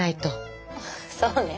そうね。